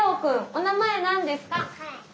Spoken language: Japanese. お名前何ですか？